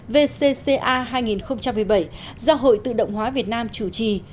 vcca hai nghìn một mươi bảy do hội tự động hóa việt nam chủ trì